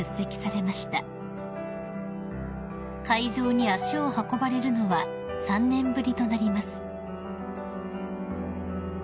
［会場に足を運ばれるのは３年ぶりとなります］